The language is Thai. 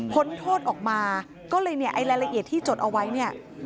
พ้นโทษออกมาก็เลยลายละเอียดที่จดเอาไว้